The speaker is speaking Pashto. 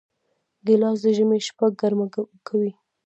ګیلاس د ژمي شپه ګرمه کوي.